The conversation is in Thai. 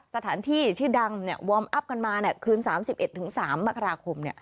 สถานที่ที่ดังเนี่ยวอร์มอัพกันมาคืนสามสิบเอ็ดถึงสามกราคมเนี่ย